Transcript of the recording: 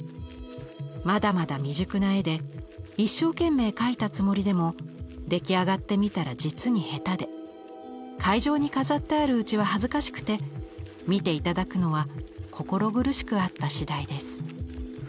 まだまだ未熟な絵で一生懸命描いたつもりでも出来上がってみたら実に下手で会場に飾ってあるうちは恥ずかしくて見て頂くのは心苦しくあった次第です」。